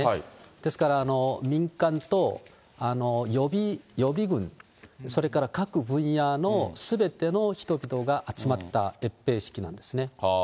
ですから、民間と予備軍、それから各分野のすべての人々が集まった閲兵式なんですね。